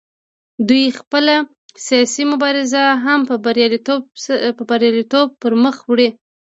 دوی خپله سیاسي مبارزه هم په بریالیتوب پر مخ وړي